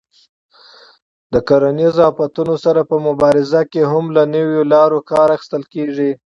د کرنیزو آفتونو سره په مبارزه کې هم له نویو لارو کار اخیستل کېږي.